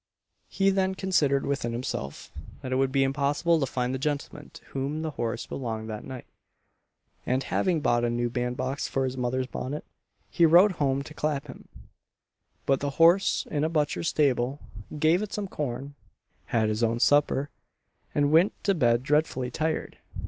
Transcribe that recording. He then considered within himself that it would be impossible to find the gentleman to whom the horse belonged that night; and, having bought a new band box for his mother's bonnet, he rode home to Clapham, put the horse in a butcher's stable, gave it some corn, had his own supper, and went to bed dreadfully tired.